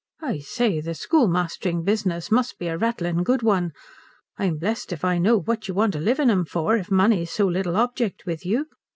"I say, the schoolmastering business must be a rattling good one. I'm blessed if I know what you want to live in 'em for if money's so little object with you.